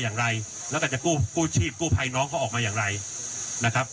อย่างไรแล้วก็จะกู้กู้ชีพกู้ภัยน้องเขาออกมาอย่างไรนะครับ